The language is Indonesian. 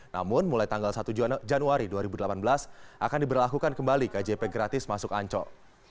namun mulai tanggal satu januari dua ribu delapan belas akan diberlakukan kembali kjp gratis masuk ancol